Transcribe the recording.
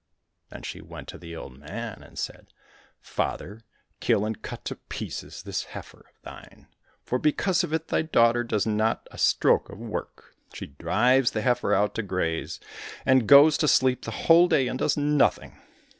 Then she went to the old man and said, *' Father, kill and cut to pieces this heifer of thine, for because of it thy daughter does not a stroke of work. She drives the heifer out to graze, and goes to sleep the whole day and does nothing."